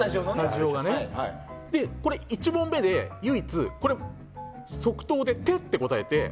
１問目で唯一、即答で手って答えて。